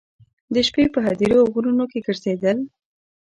د شپې په هدیرو او غرونو کې ګرځېدل.